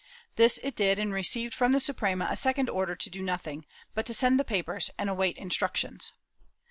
This it did and received from the Suprema a second order to do nothing, but to send the papers and await instructions.